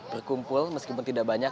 berkumpul meskipun tidak banyak